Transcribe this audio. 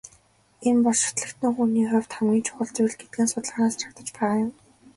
Энэ бол шүтлэгтэн хүний хувьд хамгийн чухал зүйл гэдэг нь судалгаанаас харагдаж байгаа юм.